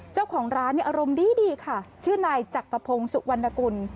เจ้าของร้านเนี่ยอารมณ์ดีค่ะชื่อนายจักรพงศ์สุวรรณกุล